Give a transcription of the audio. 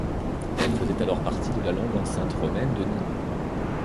Elle faisait alors partie de la longue enceinte romaine de Nîmes.